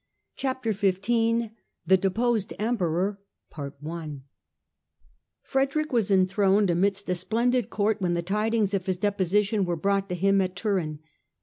Chapter XV THE DEPOSED EMPEROR FREDERICK was enthroned amidst a splendid Court when the tidings of his deposition were brought to him at Turin.